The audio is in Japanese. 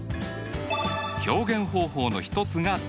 表現方法の一つが図形化。